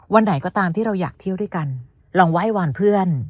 ไหนก็ตามที่เราอยากเที่ยวด้วยกันลองไหว้วานเพื่อน